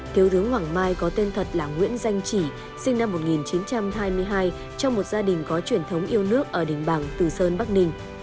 thiếu tướng hoàng mai có tên thật là nguyễn danh chỉ sinh năm một nghìn chín trăm hai mươi hai trong một gia đình có truyền thống yêu nước ở đình bằng từ sơn bắc ninh